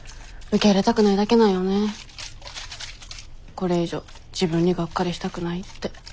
これ以上自分にがっかりしたくないって。